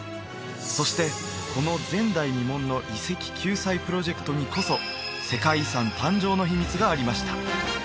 そしてこの前代未聞の遺跡救済プロジェクトにこそがありました